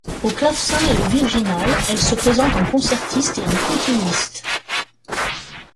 Au clavecin et au virginal, elle se présente en concertiste et en continuiste.